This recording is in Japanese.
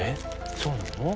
そうなの？